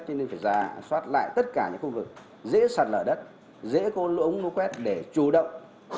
cho nên phải ra soát lại tất cả những khu vực dễ sạt lở đất dễ có lũ ống lũ quét để chủ động